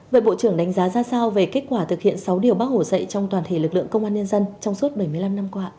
vậy bộ trưởng đánh giá ra sao về kết quả thực hiện sáu điều bác hồ dạy trong toàn thể lực lượng công an nhân dân trong suốt bảy mươi năm năm qua